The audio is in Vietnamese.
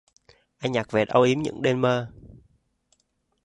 Anh nhặt về âu yếm những đêm mơ